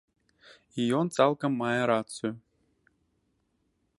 І ён цалкам мае рацыю.